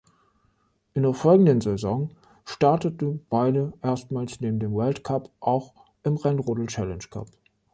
In der folgenden Saison starteten beide erstmals neben dem Weltcup auch im Rennrodel-Challenge-Cup.